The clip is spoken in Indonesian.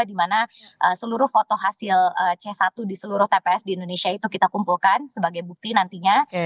di mana seluruh foto hasil c satu di seluruh tps di indonesia itu kita kumpulkan sebagai bukti nantinya